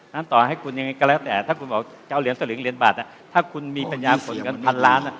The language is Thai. ต่อให้คุณยังไงก็แล้วแต่ถ้าคุณบอกจะเอาเหรียญสลึงเหรียญบาทถ้าคุณมีปัญญาส่วนเงินพันล้าน